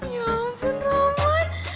ya ampun roman